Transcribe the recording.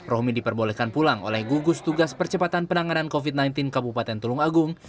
rohmi diperbolehkan pulang oleh gugus tugas percepatan penanganan covid sembilan belas kabupaten tulung agung